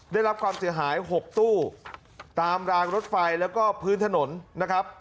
ได้รับความเสียหาย๖ตู้ตามรางรถไฟแล้วก็พื้นถนนนะครับ